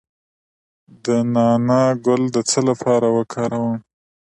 د نعناع ګل د څه لپاره وکاروم؟